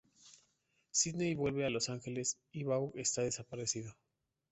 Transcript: Sydney vuelve a Los Ángeles y Vaughn está desaparecido.